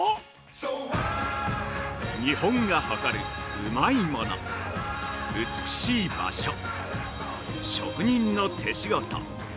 ◆日本が誇るうまいもの美しい場所、職人の手仕事。